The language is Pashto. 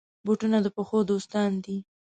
بوټونه د پښو دوستان دي.